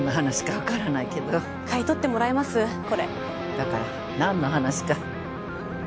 だから何の話か。